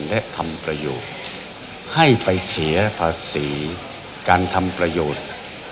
และทำประโยชน์ให้ไปเสียภาษีการทำประโยชน์